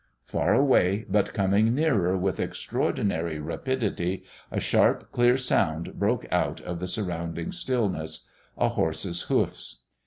Far away, but coming nearer with extraordinary rapidity, a sharp, clear sound broke out of the surrounding stillness a horse's hoofs.